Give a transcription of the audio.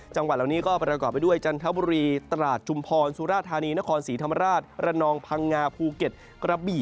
จังหวัดเหล่านี้ก็ประกอบไปด้วยจันทบุรีตราดชุมพรสุราธานีนครศรีธรรมราชระนองพังงาภูเก็ตกระบี่